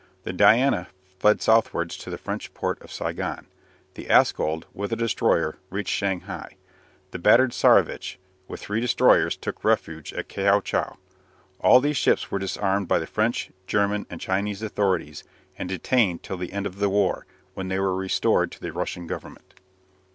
The "Diana" fled southwards to the French port of Saigon; the "Askold," with a destroyer, reached Shanghai. The battered "Tsarevitch," with three destroyers, took refuge at Kiao chau. All these ships were disarmed by the French, German, and Chinese authorities, and detained till the end of the war, when they were restored to the Russian Government.